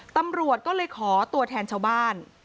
ตำรวจก็เลยขอตัวแทนชาวบ้าน